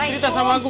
cerita sama aku